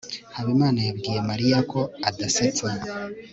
habimana yabwiye mariya ko adasetsa